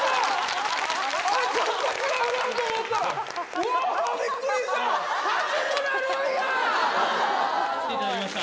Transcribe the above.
うわ、びっくりした。